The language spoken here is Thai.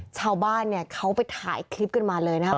ชาวบ้านเนี่ยเขาไปถ่ายคลิปกันมาเลยนะครับ